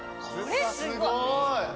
すごい。